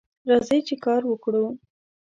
راځئ چې کار وکړو